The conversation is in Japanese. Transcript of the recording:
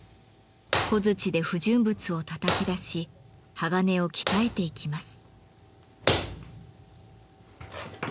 小づちで不純物をたたき出し鋼を鍛えていきます。